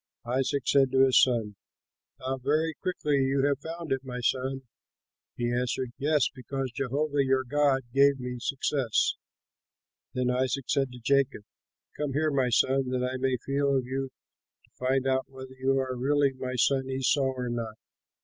Isaac said to his son, "How very quickly you have found it, my son." He answered, "Yes, because Jehovah your God gave me success." Then Isaac said to Jacob, "Come here, my son, that I may feel of you to find out whether you are really my son Esau or not."